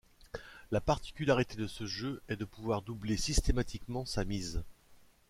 La particularité de ce jeu est de pouvoir doubler systématiquement sa mise.